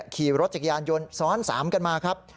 ขี่รถจักรยานยนต์ซ้อน๓กันมาครับ